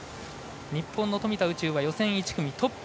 日本の富田宇宙は予選１組トップ。